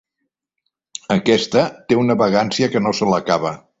Aquesta té una vagància que no se l'acaba.